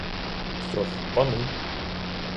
Що ж — пани.